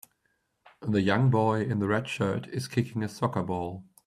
The young boy in the red shirt is kicking a soccer ball.